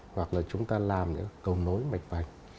hoặc là chúng ta làm những cầu nối mạch vành